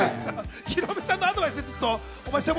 ヒロミさんのアドバイスお前背骨